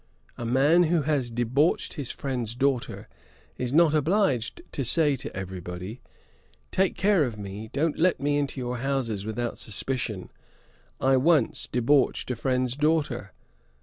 A man who has debauched his friend's daughter is not obliged to say to every body "Take care of me; don't let me into your houses without suspicion. I once debauched a friend's daughter.